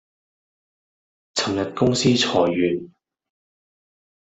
尋日公司裁員